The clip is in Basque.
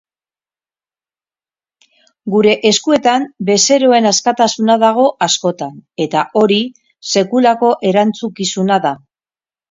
Gure eskuetan bezeroen askatasuna dago askotan, eta hori sekulako erantzukizuna da.